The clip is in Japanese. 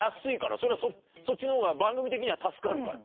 それはそっちの方が番組的には助かるから。